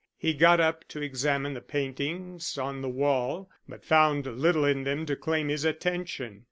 He got up to examine the paintings on the wall, but found little in them to claim his attention.